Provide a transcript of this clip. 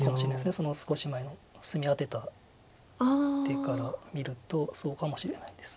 その少し前の隅アテた手から見るとそうかもしれないです。